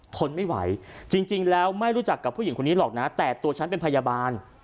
ทนไม่ไหวจริงแล้วไม่รู้จักกับผู้หญิงคนนี้หรอกนะแต่ตัวฉันเป็นพยาบาล